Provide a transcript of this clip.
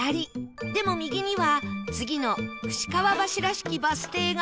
でも右には次の串川橋らしきバス停が